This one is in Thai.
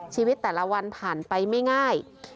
ชีวิตแต่ละวันผ่านไปไม่ง่าย